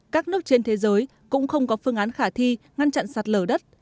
các nước trên thế giới cũng không có phương án khả thi ngăn chặn sạt lở đất